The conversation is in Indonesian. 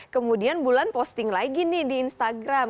kemudian bulan posting lagi nih di instagram